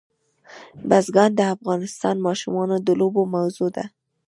بزګان د افغان ماشومانو د لوبو موضوع ده.